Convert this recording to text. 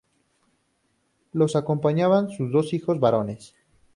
Lo acompañaban sus dos hijos varones.